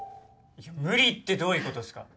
いや無理ってどういうことっすか。